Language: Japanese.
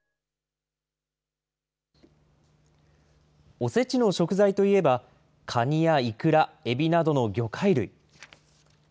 おせちの食材といえば、カニやイクラ、エビなどの魚介類。